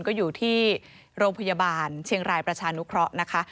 ก็อยู่ที่โรงพยาบาลเชียงรายประชานุเคราะห์นะคะ